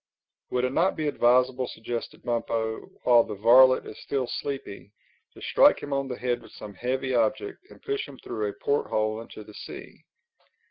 "Would it not be, advisable," suggested Bumpo, "while the varlet is still sleepy, to strike him on the head with some heavy object and push him through a port hole into the sea?"